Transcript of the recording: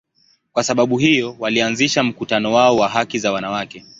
Kwa sababu hiyo, walianzisha mkutano wao wa haki za wanawake.